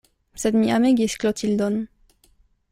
Sed mi amegis Klotildon.